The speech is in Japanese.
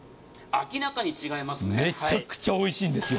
明らかに違いますね。